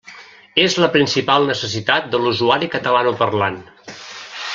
És la principal necessitat de l'usuari catalanoparlant.